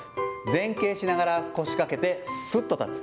前傾しながら腰かけて、すっと立つ。